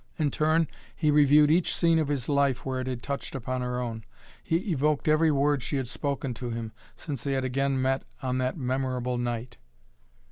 In turn he reviewed each scene of his life where it had touched upon her own. He evoked every word she had spoken to him since they had again met on that memorable night.